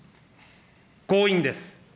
強引です。